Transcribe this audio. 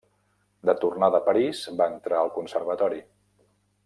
De tornada a París va entrar al Conservatori.